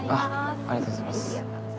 ありがとうございます。